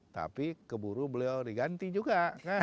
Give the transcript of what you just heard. tapi keburu beliau diganti juga